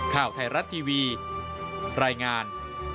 ข่าวไทยรัฐทีวีรายงาน